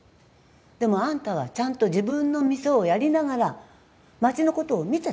でもあんたはちゃんと自分の店をやりながら町の事を見てた。